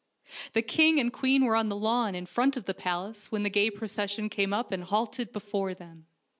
The king and queen were on the lawn in front of the palace when the gay procession came up and halted before them.